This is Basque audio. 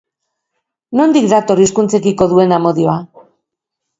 Nondik dator hizkuntzekiko duen amodioa?